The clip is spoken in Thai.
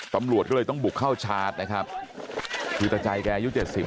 ตำรวจก็เลยต้องบุกเข้าชาร์จนะครับคือตะใจแกอายุเจ็ดสิบ